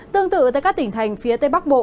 tương tự tại các tỉnh thành phía tây bắc bộ